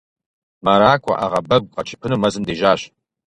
Мэракӏуэ, ӏэгъэбэгу къэтщыпыну мэзым дежьащ.